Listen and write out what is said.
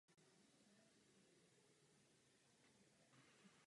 Po opravě sloužila až do konce druhé světové války.